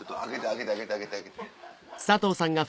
開けて開けて開けて開けて。